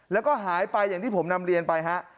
แล้วก็หายไปอย่างที่ผมนำเรียนไปฮะ